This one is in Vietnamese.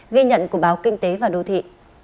ghi nhận của báo kinh tế và đô thị